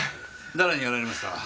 誰にやられました？